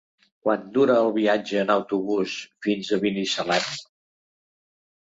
Quant dura el viatge en autobús fins a Binissalem?